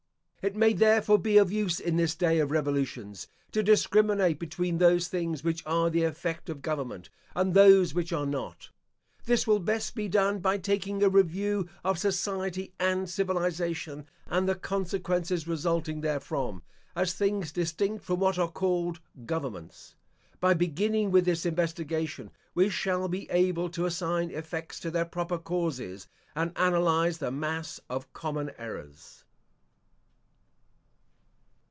It may therefore be of use in this day of revolutions to discriminate between those things which are the effect of government, and those which are not. This will best be done by taking a review of society and civilisation, and the consequences resulting therefrom, as things distinct from what are called governments. By beginning with this investigation, we shall be able to assign effects to their proper causes and analyse the mass of common errors.